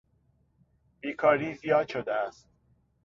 بیکاری زیاد شده است.